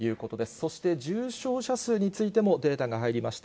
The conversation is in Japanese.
そして重症者数についてもデータが入りました。